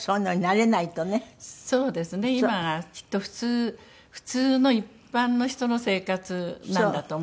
今がきっと普通普通の一般の人の生活なんだと思います。